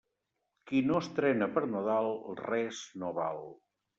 Qui no estrena per Nadal, res no val.